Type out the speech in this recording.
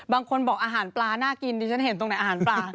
บางคนบอกอาหารปลาน่ากินดิฉันเห็นตรงไหนอาหารปลา